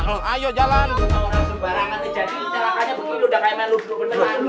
orang orang sembarangan nih jadi serangkanya begitu udah kayak melup lup